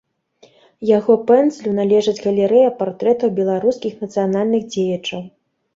Яго пэндзлю належыць галерэя партрэтаў беларускіх нацыянальных дзеячаў.